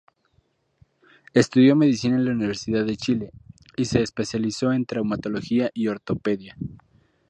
Estudió medicina en la Universidad de Chile, y se especializó en traumatología y ortopedia.